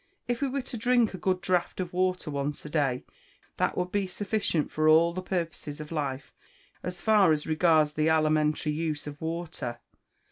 If we were to drink a good draught of water once a day, that would be sufficient for all the purposes of life, as far as regards the alimentary uses of water.